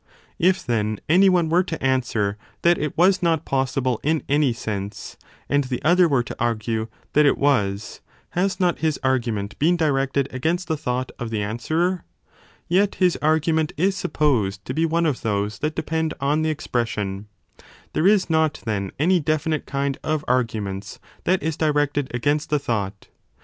If, then, any one were to answer that it was not possible in any sense and the other were to argue that it was, has not his argument been directed against the 1 I7o b 40. 2 171* 19. Read a y e /jcor^a fie, and ^ in line 20. CHAPTER X 171* thought of the answerer ? Yet his argument is supposed to be one of those that depend on the expression. There is not, then, any definite kind of arguments that is directed against the thought.